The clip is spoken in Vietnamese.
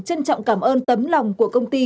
trân trọng cảm ơn tấm lòng của công ty